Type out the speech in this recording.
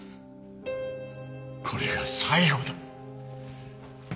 これが最後だ。